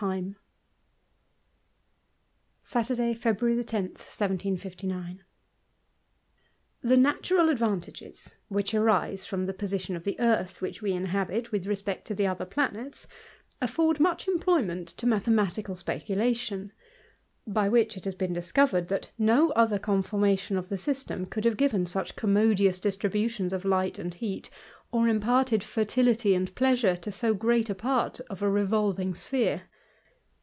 * Saturday y February lo, 1759. n^HE natmal advantages which arise from the position ■^ of the earth which we inhabit with respect to the other planets, afford much employment to mathe matical speculation ; by which it has been discovered, that no other conformation of the system could have given such commodious distributions of light and heat, or imparted fer tility and pleasure to so great a part of a revolving sphere.